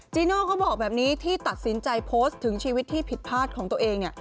จีโน่เขาบอกแบบนี้ที่ตัดสินใจโพสต์ถึงชีวิตที่ผิดพลาดของตัวเอง